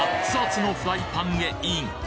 つのフライパンへイン！